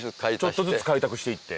ちょっとずつ開拓していって。